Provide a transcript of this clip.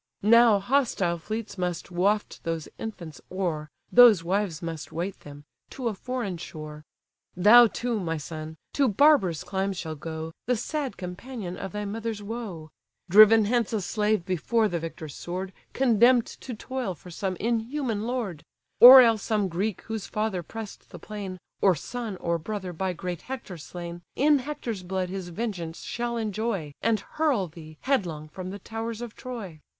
Now hostile fleets must waft those infants o'er (Those wives must wait them) to a foreign shore: Thou too, my son, to barbarous climes shall go, The sad companion of thy mother's woe; Driven hence a slave before the victor's sword Condemn'd to toil for some inhuman lord: Or else some Greek whose father press'd the plain, Or son, or brother, by great Hector slain, In Hector's blood his vengeance shall enjoy, And hurl thee headlong from the towers of Troy.